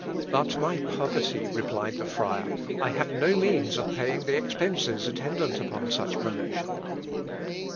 "But my poverty," replied the friar. "I have no means of paying the expences attendant on such promotion."